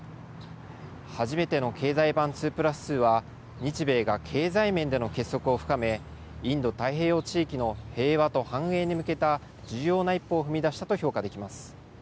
初めての経済版２プラス２は、日米が経済面での結束を深め、インド太平洋地域の平和と繁栄に向けた重要な一歩を踏み出したと評価できます。